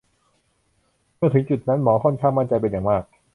เมื่อถึงจุดนั้น หมอค่อนข้างมั่นใจเป็นอย่างมาก